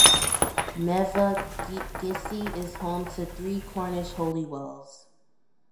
Mevagissey is home to three Cornish holy wells.